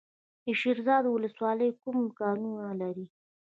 د شیرزاد ولسوالۍ کوم کانونه لري؟